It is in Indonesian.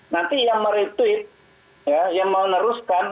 nanti yang meretweet yang mau meneruskan